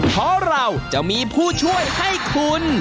เพราะเราจะมีผู้ช่วยให้คุณ